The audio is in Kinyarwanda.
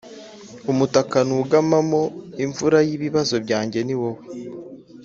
Umutaka nugamamo imvura yibibazo byanjye niwowe